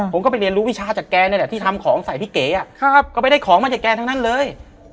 ผมก็ไปเรียนรู้วิชาจากแกนี่แหละที่ทำของใส่พี่เก๋ก็ไปได้ของมาจากแกทั้งนั้นเลย